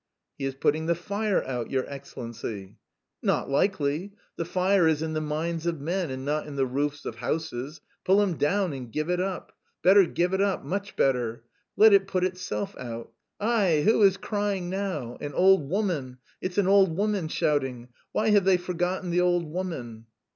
"He is putting the fire out, your Excellency." "Not likely. The fire is in the minds of men and not in the roofs of houses. Pull him down and give it up! Better give it up, much better! Let it put itself out. Aie, who is crying now? An old woman! It's an old woman shouting. Why have they forgotten the old woman?"